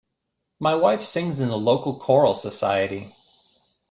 My wife sings in the local choral society